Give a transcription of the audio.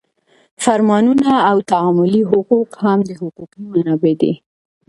فرمانونه او تعاملي حقوق هم حقوقي منابع دي.